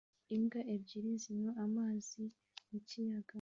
Imbwa ebyiri zinywa amazi mu kiyaga